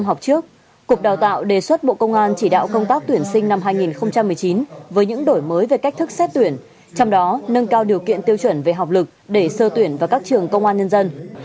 học trước cục đào tạo đề xuất bộ công an chỉ đạo công tác tuyển sinh năm hai nghìn một mươi chín với những đổi mới về cách thức xét tuyển trong đó nâng cao điều kiện tiêu chuẩn về học lực để sơ tuyển vào các trường công an nhân dân